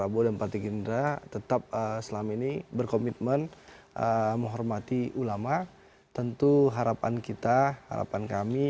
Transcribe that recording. prabowo dan partai gerindra tetap selama ini berkomitmen menghormati ulama tentu harapan kita harapan kami